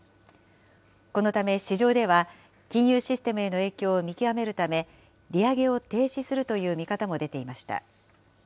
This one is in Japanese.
このため市場では、金融システムへの影響を見極めるため、利上げを停止するという見方も出ていました。